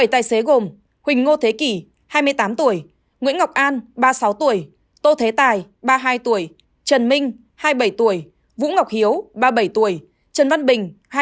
bảy tài xế gồm huỳnh ngô thế kỷ nguyễn ngọc an tô thế tài trần minh vũ ngọc hiếu trần văn bình